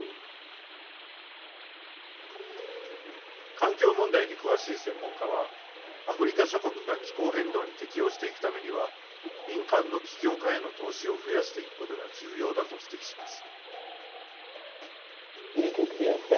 環境問題に詳しい専門家はアフリカ諸国が気候変動に適応していくためには民間の起業家への投資を増やしていくことが重要だと指摘します。